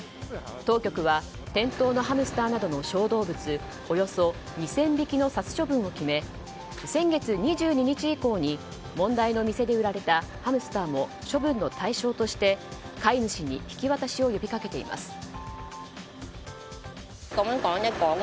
当局は店頭のハムスターなどの小動物およそ２０００匹の殺処分を決め先月２２日以降に問題の店で売られたハムスターも処分の対象として飼い主に引き渡しを呼びかけています。